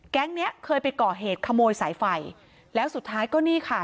เนี้ยเคยไปก่อเหตุขโมยสายไฟแล้วสุดท้ายก็นี่ค่ะ